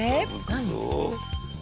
何？